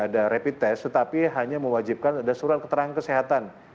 ada rapid test tetapi hanya mewajibkan ada surat keterangan kesehatan